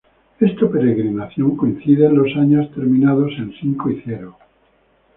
Esta peregrinación coincide en los años terminados en cinco y cero.